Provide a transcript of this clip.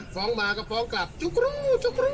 ฟ้องมาก็ฟ้องกลับจุกรู้ทุกรู้